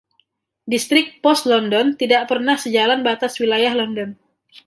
Distrik pos London tidak pernah sejalan batas wilayah London.